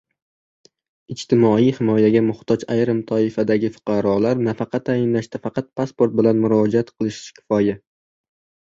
Ijtimoiy himoyaga muhtoj ayrim toifadagi fuqarolar nafaqa tayinlashda faqat pasport bilan murojaat qilishi kifoya